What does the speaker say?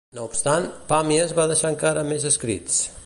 No obstant, Pàmies va deixar encara més escrits.